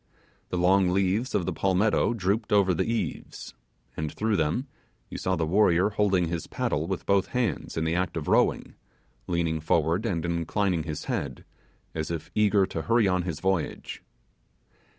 The long leaves of the palmetto drooped over the eaves, and through them you saw the warrior holding his paddle with both hands in the act of rowing, leaning forward and inclining his head, as if eager to hurry on his voyage.